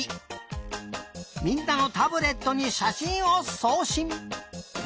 みんなのタブレットにしゃしんをそうしん！